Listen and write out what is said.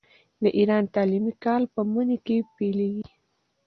د ایران تعلیمي کال په مني کې پیلیږي.